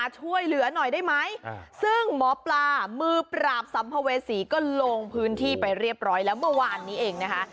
พวกเราเอาพื้นที่ไปเรียบร้อยแล้วเมื่อวานนี้เองนะคะ